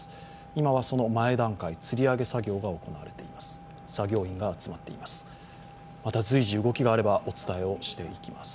今はその前段階つり上げ作業が行われています。